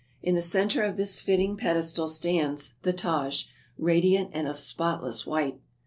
In the center of this fitting pedestal stands the Taj, radiant and of spotless white.